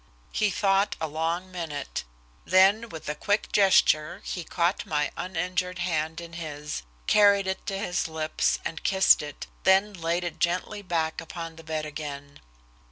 He thought a long minute, then with a quick gesture he caught my uninjured hand in his, carried it to his lips, and kissed it, then laid it gently back upon the bed again.